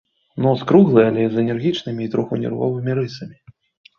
Нос круглы, але з энергічнымі і троху нервовымі рысамі.